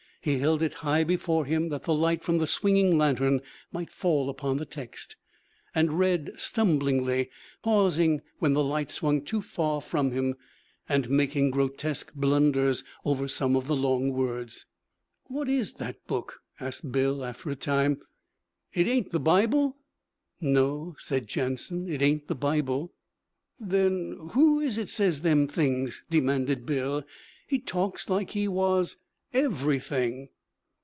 He held it high before him that the light from the swinging lantern might fall upon the text, and read stumblingly, pausing when the light swung too far from him, and making grotesque blunders over some of the long words. 'What is that book?' asked Bill after a time. 'It ain't the Bible?' 'No,' said Jansen. 'It ain't the Bible.' 'Then who is it says them things?' demanded Bill. 'He talks like he was Everything.'